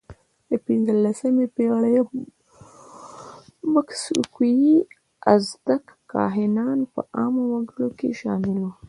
د پینځلسمې پېړۍ مکسیکويي آزتک کاهنان په عامو وګړو کې شامل وو.